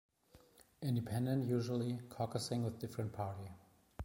Independent usually caucusing with different party.